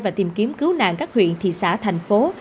và tìm kiếm cứu nạn các huyện thị xã thành phố